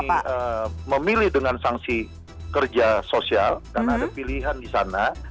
kalau si pelanggar ini memilih dengan sanksi kerja sosial dan ada pilihan di sana